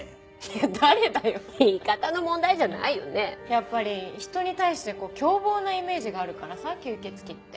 やっぱり人に対して凶暴なイメージがあるからさ吸血鬼って。